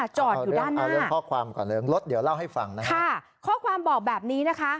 จอดอยู่ด้านหน้าค่ะข้อความบอกแบบนี้นะคะ